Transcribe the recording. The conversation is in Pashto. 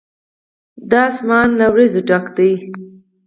دا آسمان له وريځو ډک دی.